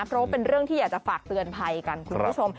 เพราะว่าเป็นเรื่องที่อยากจะฝากเตือนภัยกันคุณผู้ชม